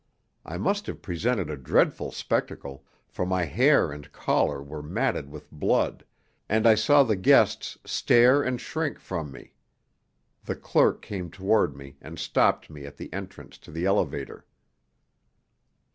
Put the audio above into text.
I must have presented a dreadful spectacle, for my hair and collar were matted with blood, and I saw the guests stare and shrink from me. The clerk came toward me and stopped me at the entrance to the elevator.